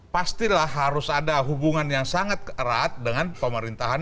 pastilah harus ada hubungan yang sangat erat dengan pemerintahan